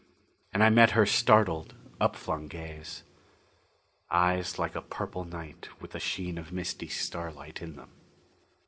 And I met her startled upflung gaze. Eyes like a purple night with the sheen of misty starlight in them.